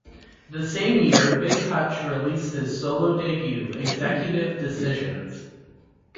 The same year, Big Hutch released his solo debut, Executive Decisions.